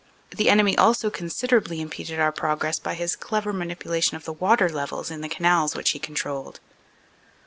The enemy also considerably impeded our progress by his clever mani pulation of the water levels in the canals which he controlled.